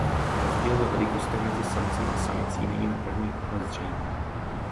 Rozdíl ve velikostech mezi samcem a samici není na prvý pohled zřejmý.